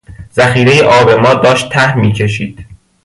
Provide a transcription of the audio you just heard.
ذخیره آب ما داشت ته میکشید.